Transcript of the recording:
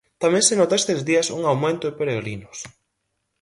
Tamén se nota estes días un aumento de peregrinos.